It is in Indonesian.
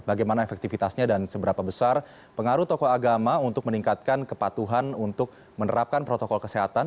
bagaimana efektivitasnya dan seberapa besar pengaruh tokoh agama untuk meningkatkan kepatuhan untuk menerapkan protokol kesehatan